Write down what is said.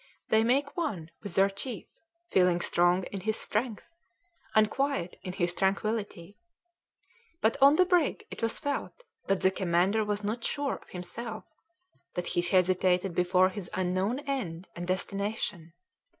They make one with their chief, feeling strong in his strength, and quiet in his tranquillity; but on the brig it was felt that the commander was not sure of himself, that he hesitated before his unknown end and destination.